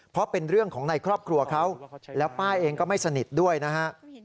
เพราะเป็นเรื่องของในครอบครัวเขาแล้วป้าเองก็ไม่สนิทด้วยนะฮะ